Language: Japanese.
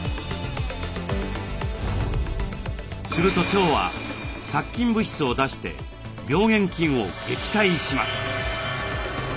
すると腸は殺菌物質を出して病原菌を撃退します。